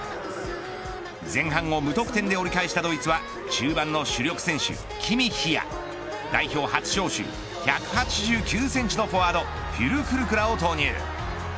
前半を無得点で折り返したドイツは中盤の主力選手、キミッヒや代表初招集１８９センチのフォワードフュルクルクらを投入。